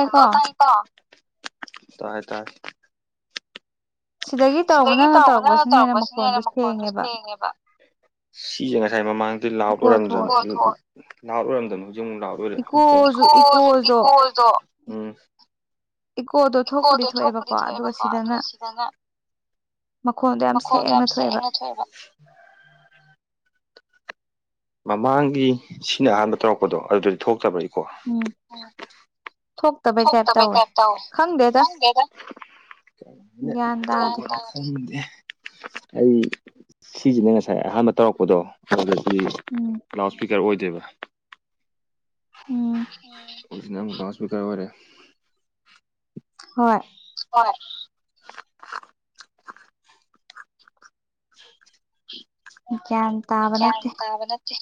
hello ꯇꯥꯏ ꯀꯣ ꯇꯥꯏ -ꯇꯥꯏ ꯁꯤꯗꯒꯤ ꯇꯧꯕ ꯅꯪꯅ ꯇꯧꯔꯛꯄꯁꯤꯅ ꯍꯦꯟꯅ ꯃꯈꯣꯟꯗꯣ ꯁꯦꯡꯉꯦꯕ ꯁꯤꯁꯦ ꯉꯁꯥꯏ ꯃꯃꯥꯡꯗꯤ ꯂꯥꯎꯠ ꯑꯣꯏꯔꯝꯗ꯭ꯔꯅꯤ ꯂꯥꯠ ꯑꯣꯏꯔꯝꯗꯅꯣ ꯍꯧꯖꯤꯛ ꯑꯃꯨꯛ ꯂꯥꯎꯠ ꯑꯣꯏꯔꯦ ꯎꯝ ꯏꯀꯣꯗꯣ ꯊꯣꯛꯄꯨꯗꯤ ꯊꯣꯛꯑꯦꯕꯀꯣ ꯑꯗꯨꯒ ꯁꯤꯗꯅ ꯃꯈꯣꯟꯗꯣ ꯌꯥꯝ ꯁꯦꯡꯅ ꯊꯣꯛꯑꯦꯕ ꯃꯃꯥꯡꯒꯤ ꯁꯤꯅ ꯑꯍꯥꯟꯕ ꯇꯧꯔꯛꯄꯗꯣ ꯑꯗꯨꯗꯗꯤ ꯊꯣꯛꯇꯕ꯭ꯔ ꯏꯀꯣ ꯎꯝ ꯊꯣꯛ ꯇꯕꯩ ꯇꯥꯏꯞ ꯇꯧꯋꯦ ꯈꯪꯗꯦꯗ [inaudible] ꯑꯩ ꯁꯤꯒꯤꯅꯦ ꯉꯁꯥꯏ ꯑꯍꯥꯟꯕ ꯇꯧꯔꯛꯄꯗꯣ ꯑꯗꯨꯗ ꯂꯥꯎꯠ ꯁ꯭ꯄꯤꯀꯔ ꯑꯣꯏꯗꯦꯕ ꯍꯨꯖꯤꯛꯅ ꯑꯃꯨꯛ ꯂꯥꯎꯗꯁꯄꯤꯀꯔ ꯑꯣꯏꯔꯦ ꯍꯣꯏ ꯍꯣꯏ ꯎ [inaudible] ꯒꯌꯥꯟ ꯒꯌꯥꯟ ꯇꯥꯕ ꯅꯠꯇꯦ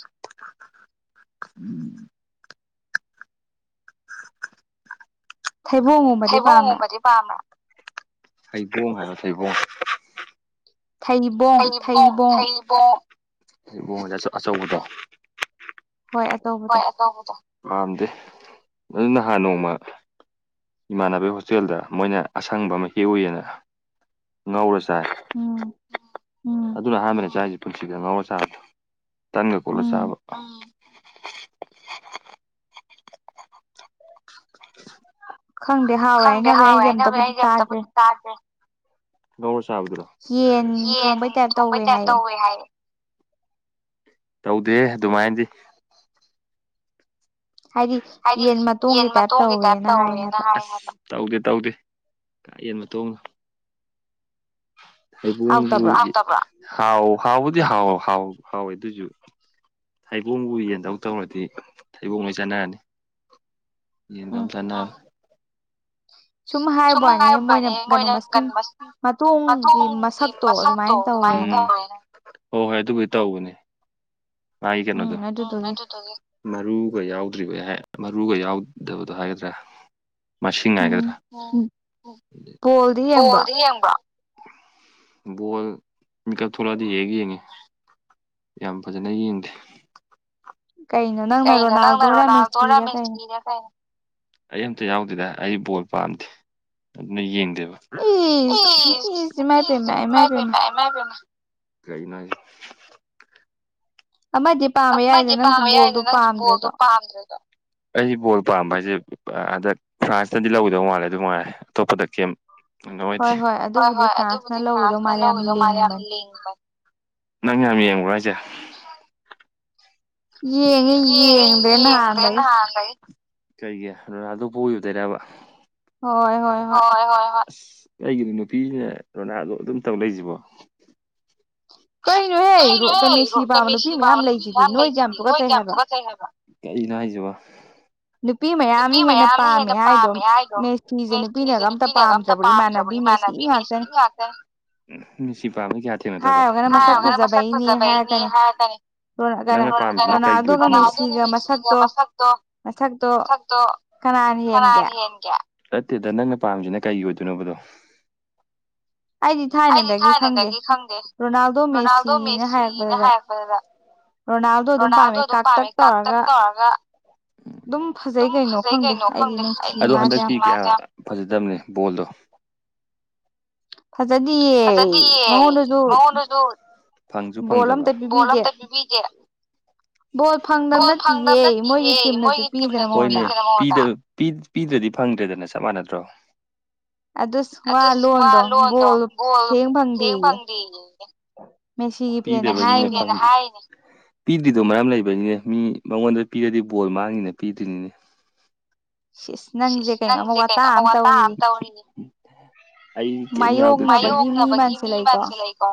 ꯊꯩꯕꯨꯡ ꯊꯩꯕꯣꯡꯒꯨꯝꯕꯗꯤ ꯄꯥꯝꯃꯦ ꯍꯩꯕꯣꯡ ꯍꯥꯏꯔ ꯁꯩꯕꯣꯡ ꯊꯩꯕꯣꯡꯪ ꯊꯩꯕꯣꯡ ꯑꯆꯧꯕꯗꯣ ꯍꯣꯏ ꯄꯥꯝꯗꯦ ꯑꯗꯨ ꯅꯍꯥꯟ ꯅꯣꯡꯃ ꯏꯃꯥꯟꯅꯕꯩ ꯍꯣꯁꯇꯦꯜꯗ ꯃꯣꯏꯅ ꯑꯁꯪꯕ ꯑꯃ ꯍꯦꯛ ꯎꯏꯌꯦꯅ ꯉꯧꯔ ꯆꯥꯏ ꯎꯝ ꯎꯝ ꯑꯗꯨꯅ ꯑꯍꯥꯟꯕꯅ ꯆꯥꯔꯤꯁꯤ ꯄꯨꯟꯁꯤꯗ ꯉꯥꯎꯔ ꯆꯥꯕꯗꯣ ꯇꯟꯒ ꯀꯣꯠꯂ ꯆꯥꯕ ꯈꯪꯗꯦ ꯍꯥꯎꯋꯦ ꯍꯥꯏꯅꯕ ꯑꯩꯝꯇꯕꯨꯗꯤ ꯇꯥꯗꯦ ꯉꯧꯔ ꯆꯥꯕꯗꯨꯔꯣ ꯌꯦꯟ ꯊꯣꯡꯕꯩ ꯇꯥꯏꯞ ꯇꯧꯋꯦ ꯍꯥꯏꯌꯦ ꯇꯧꯗꯦ ꯑꯗꯨꯃꯥꯏꯅꯗꯤ ꯍꯥꯏꯗꯤ ꯌꯦꯟ ꯃꯇꯣꯡꯒꯤ ꯇꯥꯏꯞ ꯇꯧꯋꯦꯅ ꯍꯥꯏ ꯍꯥꯏꯕ ꯇꯧꯗꯦ ꯇꯧꯗꯦ ꯀꯥ ꯌꯦꯟ ꯃꯇꯣꯡꯅꯣ ꯍꯩꯕꯨꯡꯕꯨ ꯍꯥꯎꯇꯕ꯭ꯔꯣ ꯍꯥꯎ ꯍꯥꯎꯕꯨꯗꯤ ꯍꯥꯎ ꯍꯥꯎ ꯍꯥꯎꯋꯦ ꯑꯗꯨꯏꯁꯨ ꯍꯩꯕꯣꯡꯕꯨ ꯌꯦꯟꯗꯧ ꯇꯧꯔꯗꯤ ꯍꯩꯕꯣꯡ ꯂꯣꯏ ꯆꯥꯟꯅꯔꯅꯤ ꯌꯦꯟꯒ ꯑꯃ ꯆꯥꯟꯅꯔꯥꯔꯣꯏ ꯁꯨꯝ ꯍꯥꯏꯕꯅꯦ ꯃꯣꯏꯅ ꯃꯇꯣꯡꯒꯤ ꯎꯝ ꯍꯣꯏ ꯍꯣꯏ ꯑꯗꯨꯕꯨꯗꯤ ꯇꯧꯕꯅꯦ ꯇꯥꯏ ꯀꯩ ꯅꯣꯗꯤ ꯃꯔꯨꯒ ꯌꯥꯎꯗ꯭ꯔꯤꯕ ꯍꯥꯏ ꯃꯔꯨꯒ ꯌꯥꯎꯗꯕꯗꯣ ꯍꯥꯏꯒꯗ꯭ꯔꯥ ꯃꯁꯤꯡ ꯍꯥꯏꯗꯣ ꯕꯣꯂꯗꯤ ꯌꯦꯡꯕꯔꯣ ꯕꯣꯜ ꯃꯤꯀꯞ ꯊꯣꯛꯂꯛꯑꯗꯤ ꯌꯦꯡꯗꯤ ꯌꯦꯡꯉꯤ ꯌꯥꯝ ꯐꯖ ꯐꯖꯅ ꯌꯦꯡꯗꯦ ꯀꯩꯩꯅꯣ ꯅꯪ ꯀꯩꯅꯣ ꯅꯪꯅ ꯔꯣꯅꯥꯜꯗꯣꯔꯥ ꯃꯦꯁꯤꯔ ꯀꯩꯅꯣ ꯑꯩ ꯑꯝꯇ ꯌꯥꯎꯗꯦꯗ ꯑꯩ ꯕꯣꯜ ꯄꯥꯝꯗꯦ ꯑꯗꯨꯅ ꯌꯦꯡꯗꯦꯕ ꯏ ꯏꯃꯥꯏ ꯄꯦꯝꯃꯥ ꯏꯃꯥꯏ ꯄꯦꯝꯃꯥ ꯀꯩꯒꯤꯅꯣ ꯍꯥꯏꯁꯦ ꯑꯃꯗꯤ ꯑꯃꯗꯤ ꯄꯥꯝꯕ ꯌꯥꯏꯗꯅ ꯅꯪꯁꯨ ꯕꯣꯜꯗꯣ ꯄꯥꯝꯗ꯭ꯔꯁꯨ ꯑꯩꯁꯦ ꯕꯣꯜ ꯄꯥꯝꯕ ꯍꯥꯏꯁꯦ ꯍꯟꯗꯛ ꯐ꯭ꯔꯥꯟꯁꯅꯗꯤ ꯂꯧꯈꯤꯗꯧ ꯃꯥꯜꯂꯦ ꯑꯗꯨ ꯃꯥꯜꯂꯦ ꯑꯇꯣꯞꯄꯗ ꯀꯩꯝ [inaudible] ꯍꯣꯏ ꯍꯣꯏ ꯑꯗꯨꯕꯨꯗꯤ ꯐ꯭ꯔꯥꯁꯅ ꯂꯧꯒꯤꯗꯣ ꯃꯥꯜꯂ ꯌꯥꯝ ꯂꯤꯡꯕ ꯅꯪ ꯌꯥꯝ ꯌꯦꯡꯕ꯭ꯔꯣ ꯍꯥꯏꯁꯦ ꯌꯦꯡꯉꯤ ꯌꯦꯡꯉꯦ ꯌꯦꯡꯗꯦ ꯅꯍꯥꯟꯗꯩ ꯀꯩꯒꯤ ꯔꯣꯅꯥꯜꯗꯣ ꯄꯨꯣꯈꯤꯕꯗꯩꯔꯕ ꯍꯣꯏ ꯍꯣꯏ ꯍꯣꯏ ꯍꯣꯏ ꯍꯣꯏ ꯍꯣꯏ ꯑꯁ ꯀꯩꯒꯤꯅꯣ ꯅꯨꯄꯤꯅ ꯔꯣꯅꯥꯜꯗꯣ ꯑꯗꯨꯝ ꯇꯧ ꯂꯩꯁꯤꯕꯣ ꯀꯩꯅꯣꯍꯦ ꯀꯩ ꯃꯦꯁꯤ ꯄꯥꯝꯕ ꯅꯨꯄꯤ ꯃꯌꯥꯝ ꯂꯩꯁꯤꯗꯤ ꯅꯣꯏꯁꯤ ꯌꯥꯝ ꯇꯨꯒꯠꯆꯩ ꯍꯥꯏꯕ ꯀꯩꯅꯣ ꯍꯥꯏꯁꯤꯕꯣ ꯅꯨꯄꯤ ꯃꯌꯥꯝꯅ ꯍꯦꯟꯅ ꯄꯥꯝꯃꯦ ꯍꯥꯏꯗꯣ ꯃꯦꯁꯤ ꯁꯦ ꯅꯨꯄꯤꯅ ꯇ ꯄꯥꯝꯗ꯭ꯔꯕ ꯏꯃꯥꯟꯅꯕꯤ ꯃꯦꯁꯤ ꯉꯥꯛꯇꯅꯤ ꯎꯝ ꯃꯦꯁꯤ ꯄꯥꯝꯕ ꯃꯤ ꯀꯌꯥ ꯊꯦꯡꯅꯗꯕ ꯍꯥꯏꯔꯨꯔꯒꯅ ꯃꯁꯛ ꯐꯖꯕꯩꯅꯤ ꯍꯥꯏꯔꯛꯀꯥꯅꯤ ꯅꯪꯅ ꯄꯥꯝꯗ꯭ꯔꯤꯁꯤꯅ ꯀꯩꯒꯤ ꯑꯣꯏꯗꯣꯏꯅꯣꯕ ꯃꯁꯛ ꯃꯁꯛꯇꯣ ꯀꯅꯥꯅ ꯍꯦꯟꯒꯦ ꯅꯠꯇꯦꯗ ꯅꯪꯅ ꯄꯥꯝꯃꯤꯁꯤꯅ ꯀꯩꯒꯤ ꯑꯣꯏꯗꯣꯏꯅꯣꯗꯣ ꯑꯩꯗꯤ ꯊꯥꯏꯅꯗꯒꯤ ꯈꯪꯗꯦ ꯔꯣꯅꯥꯜꯗꯣ ꯃꯦꯁꯤꯅ ꯍꯥꯏꯔꯛꯄꯗꯨꯗ ꯔꯣꯅꯥꯜꯗꯣ ꯑꯗꯨꯝ ꯄꯥꯝꯃꯦ ꯀꯥꯛ ꯇꯛ ꯇꯧꯔꯒ ꯑꯗꯨꯝ ꯐꯖꯩ ꯀꯩꯅꯣ ꯈꯪꯗꯦ ꯑꯗꯣ ꯍꯟꯗꯛꯇꯤ ꯐꯖꯗꯕꯅꯦ ꯕꯣꯜꯗꯣ ꯑꯗꯥꯒꯤ ꯃꯑꯣꯟꯗꯁꯨ ꯐꯪꯁꯨ ꯐꯪꯗꯕ ꯕꯣꯜ ꯑꯃꯇ ꯄꯤꯕꯤꯗꯦ ꯕꯣꯜ ꯐꯪ ꯕꯣꯜ ꯐꯪꯗꯕ ꯅꯠꯇꯦꯍꯦ ꯃꯣꯏꯒꯤ ꯇꯤꯝꯅ ꯄꯤꯗ꯭ꯔꯗꯤ ꯐꯪꯗ꯭ꯔꯦꯗꯅ ꯆꯞ ꯃꯥꯟꯅꯗ꯭ꯔꯣ ꯑꯗꯨꯁꯨ ꯃꯥ ꯂꯣꯟꯗꯣ ꯕꯣꯜ ꯊꯦꯡ ꯐꯪꯗꯦ ꯄꯤꯗꯕꯒꯤ ꯅꯨꯡꯁꯤꯗꯦꯅ ꯍꯥꯏꯅꯦ ꯄꯤꯗ꯭ꯔꯤꯗꯣ ꯃꯔꯝ ꯂꯩꯕꯅꯤꯅꯦ ꯃꯤ ꯃꯉꯣꯟꯗ ꯄꯤꯔꯗꯤ ꯕꯣꯜ ꯃꯥꯡꯉꯤꯅ ꯄꯤꯗ꯭ꯔꯤꯅꯤꯅꯦ ꯁꯤꯁ ꯅꯪꯁꯦ ꯀꯩꯅꯣꯝ ꯑꯃ ꯋꯥꯇꯥ ꯑꯃ ꯇꯧꯔꯤꯅꯦ ꯑꯩ ꯌꯥꯎꯗꯦ ꯃꯥꯏꯌꯣꯡꯅꯕꯒꯤ ꯃꯤ ꯃꯌꯥꯝꯁꯨ ꯂꯩꯀꯣ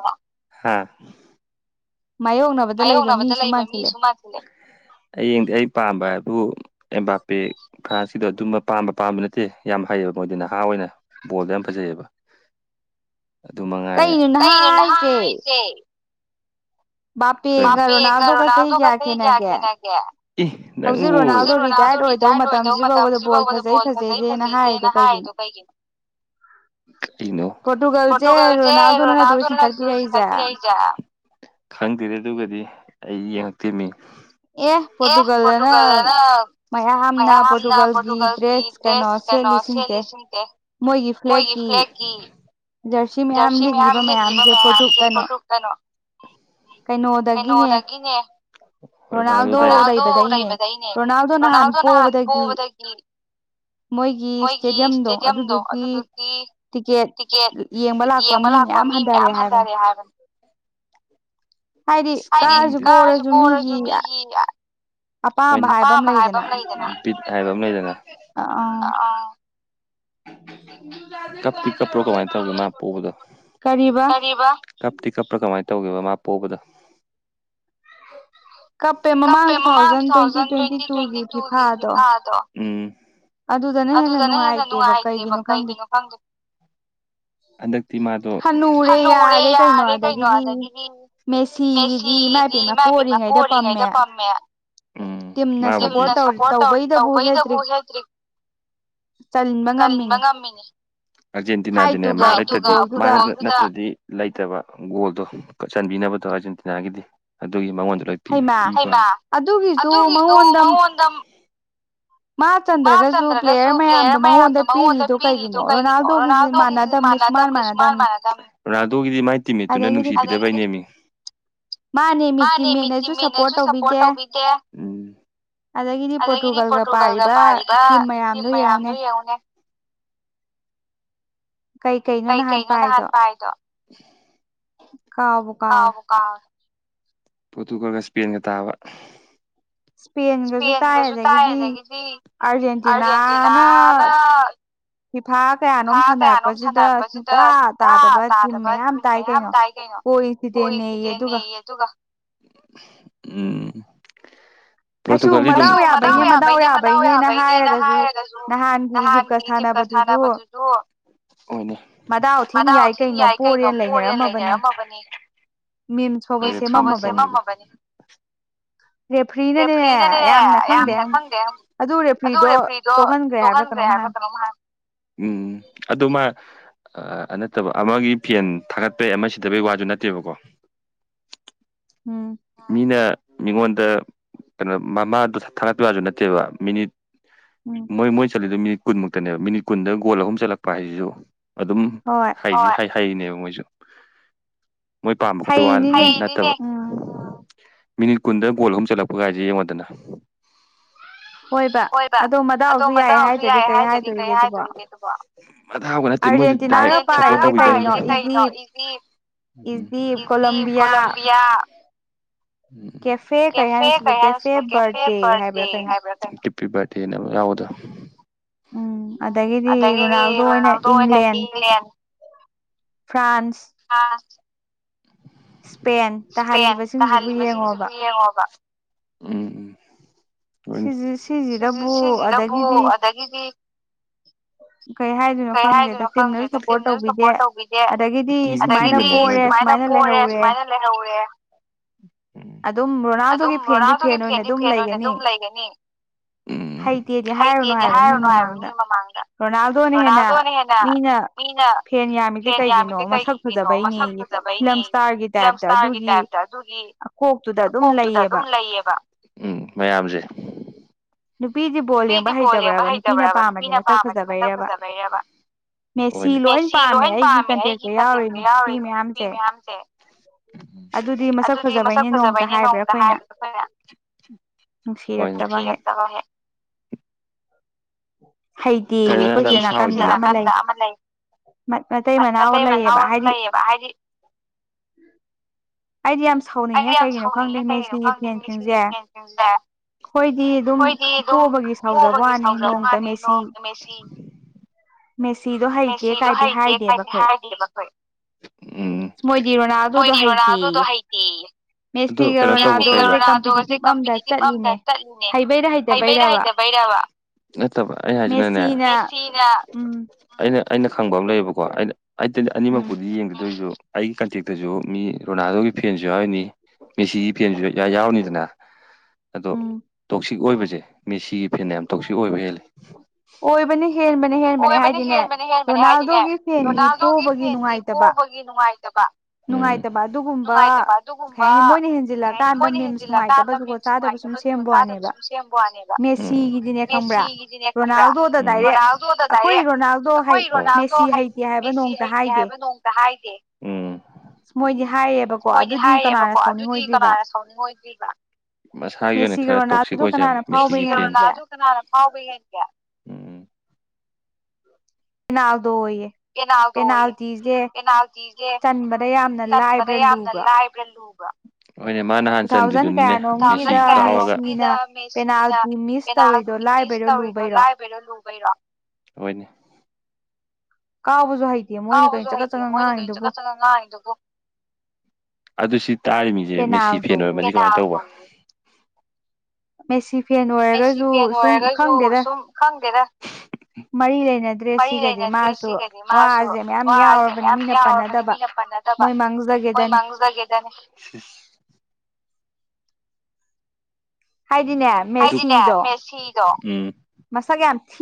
ꯃꯌꯣꯛꯅ ꯃꯥꯌꯣꯛꯅꯕꯗ ꯂꯩꯕ ꯃꯤꯁꯨ ꯃꯥꯁꯤ ꯍꯌꯦꯡꯗꯤ ꯑꯩ ꯄꯥꯝꯕ ꯑꯗꯨ ꯑꯦꯝꯕꯥꯔꯄꯤꯛ ꯐ꯭ꯔꯥꯟꯁꯀꯤꯗꯣ ꯑꯗꯨꯝꯕ ꯄꯥꯝꯕ ꯄꯥꯝꯕ ꯅꯠꯇꯦ ꯌꯥꯝ ꯍꯩꯌꯦꯕ ꯃꯣꯏꯗꯤ ꯅꯍꯥ ꯑꯣꯏꯅ ꯕꯣꯜꯗ ꯌꯥꯝ ꯐꯖꯩꯌꯦꯕ ꯑꯗꯨ ꯃꯉꯥꯏꯔꯦꯩꯅꯣ ꯅꯁꯦ ꯃꯥꯄꯤꯤꯌꯦꯒ ꯔꯣꯅꯥꯜꯗꯣ ꯀ ꯁꯍꯤ ꯀꯌꯥ ꯀꯅꯒꯌꯥ ꯍꯧꯖꯤꯛ ꯔꯣꯅꯥꯜꯗꯣ ꯔꯤꯇꯥꯌꯔꯠ ꯑꯣꯏꯗꯧ ꯃꯇꯝꯁꯤ ꯐꯥꯎꯕꯗ ꯕꯣꯜ ꯐꯖꯩ ꯐꯖꯩꯗꯦꯅ ꯍꯥꯏꯗꯣ ꯀꯩꯒꯤꯅꯣ [unintelligible] ꯀꯔꯤꯅꯣ ꯄ꯭ꯔꯣꯇꯨꯒꯜꯁꯦ ꯔꯣꯅꯥꯜꯗꯣꯅ ꯅꯠꯇ꯭ꯔꯣ ꯆꯤꯡꯈꯠꯄꯤꯔꯛꯏꯁꯦ ꯈꯪꯗꯦꯗ ꯑꯗꯨꯒꯗꯤ ꯑꯩ ꯌꯦꯡꯉꯛꯇꯦꯃꯤ ꯑꯦ ꯄ꯭ꯔꯣꯇꯨꯒꯜꯗꯅ ꯃꯌꯥꯝꯅ ꯄ꯭ꯔꯣꯇꯨꯒꯜꯒꯤ ꯗ꯭ꯔꯦꯁ ꯀꯩꯅꯣ ꯁꯦꯠꯂꯤ ꯁꯤꯨꯡꯁꯦ ꯃꯣꯏꯒꯤ ꯐ꯭ꯂꯦꯛꯀꯤ ꯖꯔꯁꯤ ꯃꯌꯥꯝ ꯂꯤꯠꯂꯤꯕ ꯃꯌꯥꯝꯁꯦ ꯄꯣꯊꯣꯛ ꯀꯅꯣ ꯀꯩꯅꯣꯗꯒꯤꯅꯦ ꯔꯣꯅꯥꯜꯗꯣ ꯂꯩꯕꯗꯩꯅꯦ ꯔꯣꯅꯥꯜꯗꯣ ꯅꯍꯥꯟ ꯄꯤꯕꯗꯒꯤ ꯃꯣꯏꯒꯤ ꯏꯁꯇꯦꯗꯤꯌꯝꯗꯣ ꯑꯗꯨꯗꯨꯒꯤ ꯇꯤꯀꯦꯠ ꯌꯦꯡꯕ ꯂꯥꯛꯄ ꯃꯤ ꯃꯌꯥꯝ ꯍꯟꯊꯔꯦ ꯍꯥꯏꯕꯅꯤ ꯍꯥꯏꯗꯤ ꯀꯥꯔꯁꯨ ꯣꯔꯁꯨ ꯃꯤꯒꯤ ꯌꯥ ꯑꯄꯥ ꯍꯥꯏꯕ ꯑꯃ ꯂꯩꯗꯅ ꯍꯥꯏꯕ ꯑꯃ ꯂꯩꯗꯅ ꯀꯞ ꯀꯞꯄ꯭ꯔꯣ ꯀꯃꯥꯏꯅ ꯇꯧꯕꯗꯣ ꯀꯞꯇꯤ ꯀꯞꯄ꯭ꯔꯥ ꯀꯃꯥꯏꯅ ꯇꯧꯒꯦꯕ ꯃꯥ ꯄꯣꯛꯕꯗꯣ ꯀꯞꯄꯦ ꯃꯃꯥꯡ ꯇꯨ ꯊꯥꯎꯖꯟ ꯇ꯭ꯋꯦꯟꯇꯤ ꯇ꯭ꯋꯦꯟꯇꯤ ꯇꯨꯒꯤꯗꯤ ꯐꯥꯗꯣ ꯎꯝ ꯑꯗꯨꯗꯅ ꯍꯦꯟꯅ ꯅꯨꯡꯉꯥꯏꯇꯦꯕ ꯀꯩꯒꯤꯅꯣ ꯈꯪꯗꯦ ꯥꯈꯪꯗꯦ ꯍꯟꯗꯛꯇꯤ ꯃꯥꯗꯣ ꯍꯜꯂꯨꯔꯦ ꯌꯥꯔꯦ ꯀꯩꯅꯣ ꯑꯗꯒꯤꯗꯤ ꯃꯦꯁꯤꯗꯤ ꯏꯃꯥ ꯏꯕꯦꯛꯅꯄꯨ ꯑꯣꯏꯔꯤꯉꯩꯗ ꯄꯥꯝꯃꯦ ꯎꯝꯅ ꯁꯄꯣꯔꯠ ꯇꯧꯕꯩꯗꯕꯨ ꯍꯦꯛꯇ꯭ꯔꯤ ꯉ ꯑꯔꯖꯦꯟꯇꯤꯅꯥꯗꯤꯅꯦ ꯅꯠꯇꯗꯤ ꯂꯩꯇꯕ ꯒꯣꯜꯗꯣ ꯆꯟꯕꯤꯅꯕꯗꯣ ꯑꯥꯔꯖꯦꯟꯇꯤꯅꯥꯒꯤꯗꯤ ꯑꯗꯨꯒꯤ ꯃꯉꯣꯟꯗ ꯂꯩ ꯍꯩꯃ ꯑꯗꯨꯒꯤꯗꯨ ꯃꯉꯣꯟꯗ ꯃꯥ ꯆꯟꯗ꯭ꯔꯒꯁꯨ ꯄ꯭ꯂꯦꯌꯔ ꯃꯌꯥꯝꯗꯣ ꯃꯉꯣꯟꯗ ꯄꯤꯔꯤꯗꯣ ꯀꯩꯒꯤꯅꯣ ꯔꯣꯅꯥꯜꯗꯣꯒꯤꯁꯤ ꯔꯣꯅꯥꯜꯗꯣꯒꯤꯗꯤ ꯃꯥꯏ ꯇꯤꯝꯃꯦꯠꯇꯨꯅ ꯅꯨꯡꯁꯤꯕꯤꯗꯕ ꯑꯅꯦꯦꯝꯃꯤ ꯃꯥꯅꯦ ꯃꯤꯇꯤꯃꯦꯠꯅꯁꯨ ꯁꯞꯄꯣꯔꯠ ꯇꯧꯕꯤꯗꯦ ꯑꯗꯒꯤꯗꯤ ꯄꯣꯔꯇꯨꯒꯜꯒ ꯄꯥꯔꯤꯕ ꯇꯤꯝ ꯃꯌꯥꯝꯗꯨꯣ ꯌꯦꯡꯉꯨꯅꯦ ꯀꯩ ꯀꯩꯅꯣ ꯅꯍꯥꯟ ꯄ ꯍꯥꯏꯗꯣ ꯀꯥꯎꯕ ꯀꯥ ꯀ ꯄꯣꯠꯇꯨꯀꯒ ꯏꯁꯄꯦꯟꯒ ꯇꯥꯕ ꯏꯁꯄꯦꯟꯒꯁꯨ ꯇꯥꯏ ꯑꯗꯒꯤꯗꯤ ꯑꯥꯔꯖꯦꯟꯇꯤꯅꯥꯅ ꯁꯤꯐꯥ ꯀꯌꯥꯅꯣꯝ ꯁꯥꯟꯅꯔꯛꯄꯁꯤꯗ ꯁꯨꯡꯇꯥ ꯇꯥꯗꯕ ꯖꯤꯝ ꯃꯌꯥꯝ ꯇꯥꯏ ꯀꯩꯅꯣ ꯣꯏ ꯁꯤꯗꯤꯅꯤ ꯇꯒ ꯎꯝ ꯁꯨ ꯃꯗꯥꯎ ꯌꯥꯕꯩꯅꯦ ꯃꯗꯥꯎ ꯌꯥꯕꯩꯅꯦꯅ ꯍꯥꯏꯔꯒꯁꯨ ꯅꯍꯥꯟꯒꯤ ꯏꯖꯤꯞꯀ ꯁꯥꯟꯅꯕ ꯑꯗꯨꯗ ꯃꯗꯥ ꯑꯣꯊꯤꯟ ꯌꯥꯏ ꯀꯩꯅꯣ ꯄꯣꯔꯦꯅ ꯂꯩꯅꯔꯝꯃꯕꯅꯤ ꯃꯤꯝ ꯁꯕꯁꯦꯃꯝꯃꯕꯅꯤ ꯏꯦ ꯐ꯭ꯔꯤꯅꯅꯦ ꯌꯥꯝꯅ ꯈꯪꯗꯦ ꯑꯗꯨ ꯔꯦꯐ꯭ꯔꯤꯗꯣ ꯇꯣꯛꯍꯟꯈ꯭ꯔꯦ ꯍꯥꯏꯕ ꯀꯩꯅꯣꯝ ꯍꯥꯏ ꯎꯝ ꯑꯗꯨꯃ ꯑ ꯅꯠꯇꯕ ꯑꯃꯒꯤ ꯐꯦꯟ ꯊꯥꯒꯠꯄꯩ ꯑꯃ ꯁꯤꯊꯕꯒꯤ ꯋꯥꯁꯨ ꯅꯠꯇꯦꯕꯀꯣ ꯎꯝ ꯃꯤꯅ ꯃꯤꯉꯣꯟꯗ ꯀꯩꯅꯣ ꯃꯃꯥꯗꯣ ꯊꯥꯒꯠꯄꯩ ꯌꯥꯁꯨ ꯅꯠꯇꯦꯕ ꯃꯤꯅꯤ ꯃꯣꯏ ꯃꯣꯏ ꯆꯜꯂꯤꯗꯨ ꯃꯤꯅꯤꯠ ꯀꯨꯟꯃꯨꯛꯇꯅꯦꯕ ꯃꯤꯅꯤꯠ ꯀꯨꯟꯗ ꯒꯣꯜ ꯑꯍꯨꯝ ꯆꯠꯂꯛꯄ ꯍꯥꯏꯁꯤꯁꯨ ꯑꯗꯨꯝ ꯍꯩꯔꯤꯅꯦꯕ ꯃꯣꯏꯁꯨ ꯃꯣꯏ ꯄꯥꯝꯕ ꯈꯣꯠꯄ ꯋꯥ ꯅꯠꯇꯕ ꯃꯤꯅꯤꯠ ꯀꯨꯟꯗ ꯒꯣꯜ ꯑꯍꯨꯝ ꯆꯠꯂꯛꯄꯒꯥꯏꯁꯦ ꯌꯦꯡꯉꯣꯗꯅ ꯍꯣꯏꯕ ꯑꯗꯣ ꯑꯗꯣ ꯃꯗꯥꯥꯎꯁꯨ ꯌꯥꯏꯌꯦ ꯍꯥꯏꯗ꯭ꯔꯗꯤ ꯀꯔꯤ ꯍꯥꯏꯗꯣꯏꯔꯤꯒꯦ ꯑꯗꯨꯕꯣ ꯃꯗꯥꯎꯒ ꯅꯠꯇꯦ ꯃꯣꯢꯗꯨꯗꯤ ꯂ ꯍꯥ [inaudible] ꯏꯁꯦ ꯀꯩꯅꯣ ꯏꯗꯤ ꯏꯖꯤ [inaudible] ꯀꯣꯂꯝꯕꯤꯌꯥ ꯎ ꯀꯦꯐꯦ ꯀꯩ ꯍꯥꯏꯅ ꯁꯤꯕ ꯀꯦꯦ ꯕꯔꯗꯦ ꯍꯥꯏꯕ ꯇꯦꯟꯅꯕ ꯌꯥꯎꯕꯗꯣ ꯎꯝ ꯑꯗꯒꯤꯗꯤ ꯔꯣꯅꯥꯜꯗꯣ ꯑꯣꯏꯅ ꯏꯪꯂꯦꯟ ꯐ꯭ꯔꯥꯟꯁ ꯏꯁꯄꯦꯟ ꯇꯥꯍꯜꯂꯤꯕꯁꯤꯡꯁꯤꯕꯨ ꯌꯦꯡꯉꯣꯕ ꯎꯝ ꯎ ꯁꯤꯁꯤꯗꯕꯨ ꯑꯗꯒꯤꯗꯤ ꯀꯩ ꯍꯥꯏꯗꯣꯏꯅꯣ ꯈꯪꯗ꯭ꯔꯦꯗꯝꯅ ꯁꯄꯣꯔꯠ ꯇꯧꯕꯤꯗꯦ ꯑꯗꯒꯤꯗꯤ ꯁꯨꯃꯥꯏꯅ ꯄꯣꯔꯦ ꯁꯁꯃꯥꯏꯅ ꯂꯩꯦ ꯍꯋꯦ ꯑꯗꯨꯝ ꯔꯣꯅꯥꯜꯗꯣꯒꯤ ꯐꯦꯟꯗꯤ ꯐꯦꯟ ꯑꯣꯏꯅ ꯑꯗꯨꯝ ꯂꯩꯒꯅꯤ ꯎꯝ ꯍꯩꯇꯦꯗꯤ ꯍꯥꯏꯔꯨꯅꯨ ꯍꯥꯏꯕ ꯃꯤ ꯃꯃꯥꯡꯗ ꯔꯣꯅꯥꯜꯗꯣ ꯔꯣꯅꯥꯜꯗꯣꯅ ꯍꯦꯟꯅ ꯃꯤꯅ ꯐꯦꯟ ꯌꯥꯝꯃꯤꯁꯦ ꯀꯩꯒꯤꯅꯣ ꯃꯁꯛ ꯐꯖꯕꯩꯅꯦꯌꯦ ꯐꯤꯂꯝ ꯏꯁꯇꯥꯔꯒꯤ ꯇꯥꯏꯞꯇ ꯑꯗꯨꯒꯤ ꯀꯣꯛꯇꯨꯗ ꯑꯗꯨꯝ ꯂꯩꯌꯦꯕ ꯎꯝ ꯃꯌꯥꯝꯁꯦ ꯅꯨꯄꯤꯗꯤ ꯕꯣꯜ ꯌꯦꯡꯕ ꯍꯩꯇꯕ꯭ꯔꯕ ꯅꯨꯄꯤꯅ ꯄꯥꯝꯃꯗꯤ ꯃꯁꯛ ꯐꯖꯕꯩꯔꯕ ꯃꯦꯁꯤ ꯂꯣꯏ ꯄꯥꯝꯃꯦ ꯑꯩꯒꯤ ꯀꯟꯇꯦꯛꯇ ꯌꯥꯎꯔꯤ ꯅꯨꯄꯤ ꯃꯌꯥꯝꯁꯦ ꯑꯗꯨꯗꯤ ꯃꯁꯛ ꯐꯖꯕꯩꯅꯦ ꯅꯣꯡꯗ ꯍꯥꯏꯕ꯭ꯔꯣ ꯑꯩꯈꯣꯏꯅ ꯍꯣꯏꯅꯦ ꯅꯨꯡꯁꯤꯔꯛꯇꯕ ꯍꯦꯛ ꯑꯩꯈꯣꯏ ꯁꯤ ꯅꯥꯀꯟꯗ ꯑꯃ ꯂꯩ ꯃꯇꯩ ꯃꯅꯥꯎ ꯂꯩꯌꯦꯕ ꯍꯥꯏꯗꯤ ꯑꯩꯗꯤ ꯌꯥꯝ ꯁꯥꯎꯅꯤꯡꯉꯦ ꯀꯩꯒꯤꯅꯣ ꯈꯪꯗꯦ ꯃꯦꯁꯤꯒꯤ ꯐꯦꯟꯁꯤꯡꯁꯦ ꯑꯩꯈꯣꯏꯗꯤ ꯑꯗꯨꯝ ꯄꯣꯕꯒꯤ ꯁꯥꯎꯖꯕꯩ ꯋꯥꯅꯤ ꯅꯣꯡꯇ ꯃꯦꯁꯤ ꯃꯦꯁꯤꯗꯣ ꯍꯩꯇꯦ ꯀꯥꯏꯗꯦ ꯍꯥꯏꯗꯦꯕ ꯑꯩꯈꯣꯏ ꯎꯝ ꯃꯣꯏꯗꯤ ꯔꯣꯅꯥꯜꯗꯣ ꯗꯣ ꯍꯩꯇꯦꯌꯦ ꯑꯗꯣ ꯀꯩꯅꯣ ꯇꯧꯕꯥ ꯃꯦꯁꯤ ꯒꯥ ꯔꯣꯅꯥꯜꯗꯣ ꯒꯥꯁꯦ ꯀꯝꯄꯤꯇꯤꯇꯤꯚ ꯑꯃꯗ ꯆꯠꯂꯤꯅꯦ ꯍꯩꯕꯩꯔꯥ ꯍꯩꯇꯕꯩꯔꯥ ꯅꯠꯇꯕ ꯑꯩ ꯍꯥꯏꯁꯤꯅꯅꯦ ꯑꯩꯅ ꯑꯩꯅ ꯈꯪꯕ ꯑꯃ ꯂꯩꯌꯦꯕꯀꯣ ꯑꯩꯅ ꯑꯩꯗꯤ ꯑꯅꯤꯃꯛꯄꯨꯗꯤ ꯌꯦꯡꯢ ꯑꯗꯣꯏꯁꯨ ꯑꯩꯒꯤ ꯀꯟꯇꯦꯛꯇꯁꯨ ꯃꯤ ꯔꯣꯅꯥꯜꯗꯣꯒꯤ ꯐꯦꯟꯁꯨ ꯌꯥꯎꯔꯤꯅꯤ ꯃꯦꯁꯤ ꯐꯦꯟꯁꯨ ꯌꯥꯎꯔꯤꯅꯤꯗꯅ ꯑꯗꯣ ꯇꯣꯛꯁꯤꯛ ꯑꯣꯏꯕꯁꯦ ꯃꯦꯁꯤꯒꯤ ꯐꯦꯟꯅ ꯌꯥꯝ ꯇꯣꯛꯁꯤꯛ ꯑꯣꯏꯕ ꯍꯦꯜꯂꯤ ꯑꯣꯏꯕꯅꯤ ꯍꯦꯟꯕꯅꯦ ꯍꯦꯟꯕꯅꯦ ꯍꯥꯏꯗꯤꯅꯦ ꯔꯣꯅꯥꯜꯗꯣꯒꯤ ꯐꯦꯟꯗꯤ ꯄꯣꯕꯒꯤ ꯅꯨꯡꯉꯥꯏꯇꯕ ꯅꯨꯡꯉꯥꯏꯇꯕ ꯑꯗꯨꯒꯨꯝꯕ ꯀꯩ ꯍꯥꯏꯅꯤ ꯃꯣꯏꯅ ꯍꯦꯟꯖꯤꯜꯂꯛꯀꯥꯟꯗ ꯃꯤꯝꯁ ꯅꯨꯡꯉꯥꯏꯇꯕ ꯆꯥꯗꯕ ꯁꯨꯝ ꯁꯦꯝꯕ ꯋꯥꯅꯦꯕ ꯃꯦꯁꯤꯒꯤꯗꯤꯅꯦ ꯈꯪꯕ꯭ꯔꯥ ꯔꯣꯅꯥꯜꯗꯣꯗ ꯗꯥꯢꯔꯦꯛ ꯍꯣꯏ ꯔꯣꯅꯥꯜꯗꯣ ꯍꯩ ꯃꯦꯁꯤ ꯍꯩꯇꯦ ꯍꯥꯏꯕ ꯅꯣꯡꯇ ꯍꯥꯏꯗꯦ ꯃꯣꯏꯗꯤꯍꯥꯏꯌꯦꯕ ꯃꯣꯏꯗꯤ ꯍꯥꯏꯌꯦꯕꯀꯣ ꯑꯗꯨꯗꯤ ꯀꯅꯥꯅ ꯁꯧꯅꯤꯡꯉꯣꯢꯗꯨꯢꯕ ꯃꯁꯥꯒꯤ ꯑꯣꯏꯅ ꯈꯔ ꯇꯣꯛꯁꯤꯛ ꯑꯣꯏꯖꯕꯅꯦ ꯄꯦꯅꯥꯜꯇꯣꯌꯦ ꯄꯦꯅꯥꯜꯗꯣꯌꯦ ꯄꯦꯅꯥꯜꯇꯤꯁꯦ ꯆꯟꯕꯗ ꯌꯥꯝꯅ ꯂꯥꯏꯕ ꯒꯜꯂꯨꯕ [inaudible] ꯍꯣꯏꯅꯦ ꯃꯥ ꯅꯍꯥꯟ ꯆꯟꯗ꯭ꯔꯤꯗꯨꯅꯤꯅꯦ [unintelligible] ꯄꯦꯅꯥꯜꯇꯤ ꯃꯤꯁ ꯇꯧꯔꯤꯗꯣ ꯂꯥꯏꯕꯩꯔꯣ ꯂꯨꯕꯩꯔꯣ ꯍꫭꯏꯅꯦ ꯀꯥꯎꯕꯁꯨ ꯍꯩꯇꯦ ꯃꯣꯏꯅ ꯀꯩꯅ ꯆꯪꯒꯠ ꯆꯒꯠ ꯉꯥꯡꯉꯤꯗꯨꯕꯨ ꯑꯗꯨ ꯁꯤ ꯇꯥꯔꯤꯃꯤꯁꯦ ꯃꯦꯁꯤ ꯐꯦꯟ ꯑꯣꯏꯔꯕꯅꯤ ꯀꯃꯥꯏꯅ ꯇꯧꯕ ꯑꯦꯁꯤ ꯐꯦꯟ ꯑꯣꯏꯔꯒꯁꯨ ꯁꯨꯝ ꯈꯪꯗꯦꯗ ꯃꯔꯤ ꯂꯩꯅꯗ꯭ꯔꯦ ꯁꯤꯒꯗꯤ ꯃꯥꯁꯨ ꯋꯥꯁꯦ ꯃꯌꯥꯝ ꯌꯥꯎꯔꯕꯅꯤ ꯃꯤꯅ ꯄꯟꯅ ꯇꯕ ꯃꯣꯏ ꯃꯥꯡꯖꯗꯒꯦꯗꯅꯤ ꯍꯥꯏꯗꯤꯅꯦ ꯃꯦꯁꯤꯗꯣ ꯎꯝ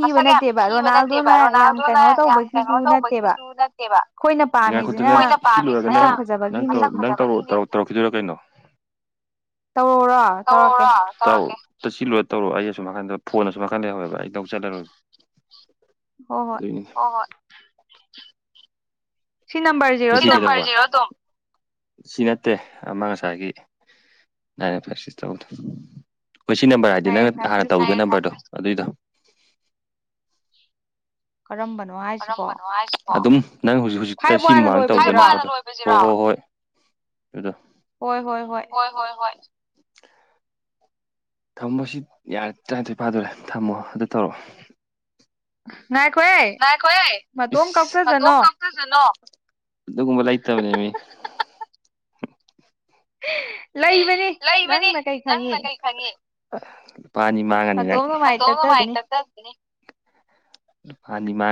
ꯃꯁꯛ ꯌꯥꯝ ꯊꯤꯕ ꯅꯠꯇꯦꯕ ꯔꯣꯅꯥꯜꯗꯣꯅ ꯌꯥꯝ ꯀꯩꯅꯣ ꯇꯧꯕꯒꯤꯁꯨ ꯅꯠꯇꯦꯕ ꯈꯨꯠꯇ ꯅꯜꯂꯨꯔ ꯅ ꯅ ꯅ ꯇꯧꯔꯛꯈꯤꯗꯣꯏꯔꯥ ꯀꯩꯅꯣ [inaudible] ꯇꯧꯔꯛꯑꯣꯔꯣ ꯇꯧꯔꯛꯑꯣꯔꯣ ꯇꯧꯔꯛꯒꯦ ꯁꯤ ꯂꯣꯏꯔꯒ ꯇꯧꯔꯛꯑꯣ ꯑꯩ ꯑꯁꯣꯝ ꯅꯥꯀꯟꯗ ꯐꯣꯟ ꯑꯁꯣꯝ ꯅꯥꯀꯟꯗ ꯂꯩꯍꯧꯋꯦꯕ ꯑꯩ ꯂꯧ ꯆꯠꯂꯔꯣꯏꯕ ꯑꯗꯨꯢꯅꯦ ꯍꯣꯢ ꯍꯣꯢ ꯁꯤ ꯅꯝꯕꯔꯁꯤ ꯁꯤ ꯅꯝꯕꯔꯖꯤꯔꯣ ꯑꯗꯨꯝ ꯁꯤ ꯅꯠꯇꯦ ꯑꯃꯥꯡ ꯑꯁꯥꯏꯒꯤ ꯅꯥꯏꯟ ꯐꯥꯏꯚ ꯁꯤꯛꯁ ꯇꯧꯕꯗꫭ ꯍꯣꯏ ꯁꯤ ꯅꯝꯕꯔ ꯍꯥꯏꯗꯤ ꯅꯪꯅ ꯍꯥꯟꯅ ꯇꯧꯗ ꯅꯝꯕꯔꯗꯣ ꯑꯗꯨꯏꯗꯣ ꯀꯔꯝꯕꯅꫭ ꯍꯥꯏ ꯀꯔꯝꯕꯅꯣ ꯍꯥꯏꯁꯤꯕꫭ ꯑꯗꯨꯝ ꯅꯪ ꯍꯧꯖꯤꯛ ꯍꯧꯖꯤꯛꯇ ꯁꯤ ꯃꯃꯥꯡ [unintelligible] [unintelligible] ꯍꫭ ꯍꫭ ꯍꯣꯏ ꯑꯗꯨꯗꫭ ꯍꫭꯏ ꯍꯣꯏ ꯍꯣꯏ [inaudible] ꯊꯝꯃꯕꯁꯤ ꯌꯥꯔꯦ ꯇꯔꯥꯅꯤꯊꯣꯏ ꯐꯥꯗꯣꯔꯦ ꯊꯝꯃꯣ ꯑꯗꯨ ꯇꯧꯔꯛꯑꯣ ꯉꯥꯏꯈꫭꯍꯦ ꯏꯁ ꯃꯇꫭꯝ ꯀꯛꯆꯖꯅꫭ ꯑꯗꯨꯒꯨꯝꯕ ꯂꯩꯇꯕꯅꯦꯃꯤ [unintelligible] ꯂꯩꯕꯅꯤ ꯅꯪꯅ ꯀꯔꯤ ꯈꯪꯉꯤ ꯂꯨꯄꯥ ꯑꯅꯤ ꯃꯥꯡꯉꯅꯤ ꯅꯪ [unintelligible] ꯂꯨꯄꯥ ꯑꯅꯤ ꯃꯥꯡ